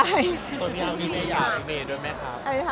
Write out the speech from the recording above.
ตัวพี่อาร์มีเมย่าพี่เมย์ด้วยไหมครับ